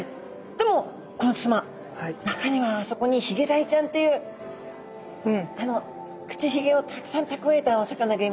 でも甲本さま中にはあそこにヒゲダイちゃんというあの口ひげをたくさんたくわえたお魚がいますよね。